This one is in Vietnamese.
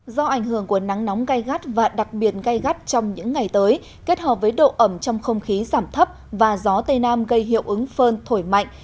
do ảnh hưởng của nắng nóng gai gắt và đặc biệt gai gắt trong những ngày tới kết hợp với độ ẩm trong không khí giảm thấp và gió tây nam gây hiệu ứng phơn thổi mạnh